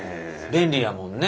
便利やもんね。